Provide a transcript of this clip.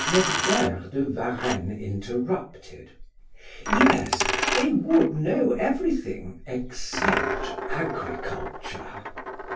Norbert de Varenne interrupted: "Yes, they would know everything, except agriculture.